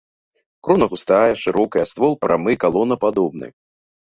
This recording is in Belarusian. Крона густая, шырокая, ствол прамы, калонападобны.